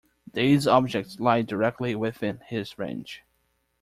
These objects lie directly within his range.